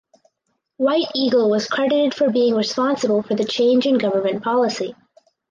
White Eagle was credited for being responsible for the change in government policy.